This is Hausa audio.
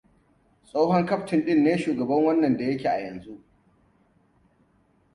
Tsohon kaftin ɗin ne shugaban wannan da yake a yanzu.